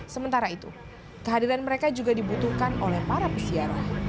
sementara itu kehadiran mereka juga dibutuhkan oleh para peziarah